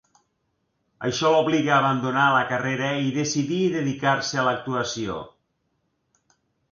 Això l'obligà a abandonar la carrera i decidí dedicar-se a l'actuació.